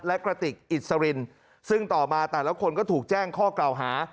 และกระติกอิสรินซึ่งต่อมาแต่ละคนก็ถูกแจ้งข้อกล่าวหา